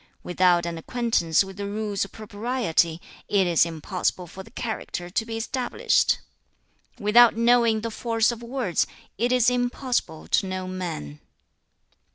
2. 'Without an acquaintance with the rules of Propriety, it is impossible for the character to be established. 3. 'Without knowing the force of words, it is impossible to know men.'